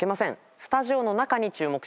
スタジオの中に注目しましょう。